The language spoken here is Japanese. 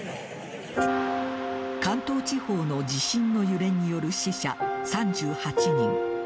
関東地方の地震の揺れによる死者３８人。